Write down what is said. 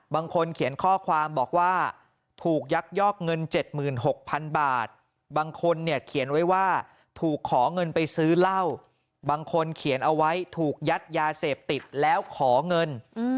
บางคนเขียนข้อความบอกว่าถูกยักยอกเงิน๗๖๐๐๐บาทบางคนเนี่ยเขียนไว้ว่าถูกขอเงินไปซื้อเหล้าบางคนเขียนเอาไว้ถูกยัดยาเสพติดแล้วขอเงิน